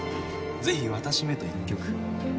ぜひ私めと１曲。